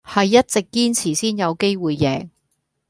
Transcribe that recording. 係一直堅持先有機會贏